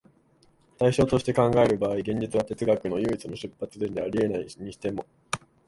対象として考える場合、現実は哲学の唯一の出発点であり得ないにしても、